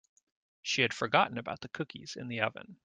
She had forgotten about the cookies in the oven.